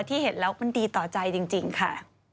ที่เห็นแล้วมันดีต่อใจจริงค่ะ